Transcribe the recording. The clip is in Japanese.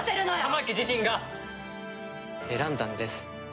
玉置自身が選んだんです。